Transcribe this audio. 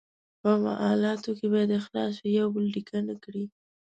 په معالاتو کې باید اخلاص وي، یو بل ډیکه نه کړي.